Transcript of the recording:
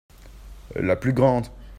la plus grande.